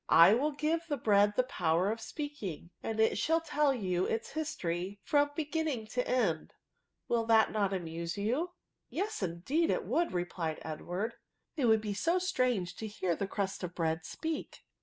I will give the bread the power of speakings and it shall tell JOU its histoiy, £rom beginning to end ; will not that amuse you ?"*' Yes, indeed, it would," replied Edward ;*' it would be so strange to hear the crust of bread speak."